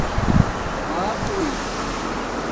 باپݸئیی